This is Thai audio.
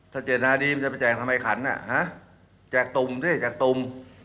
ถ้าเจตนาดีมันจะไปแจกทำไมขันแจกตุ่มสิแจกตุ่ม